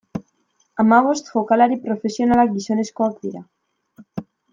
Hamabost jokalari profesionalak gizonezkoak dira.